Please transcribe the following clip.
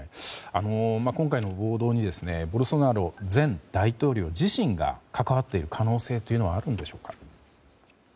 今回の暴動にボルソナロ前大統領自身が関わっている可能性はあるでしょうか。